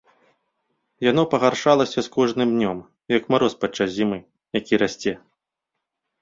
Яно пагаршалася з кожным днём, як мароз падчас зімы, які расце.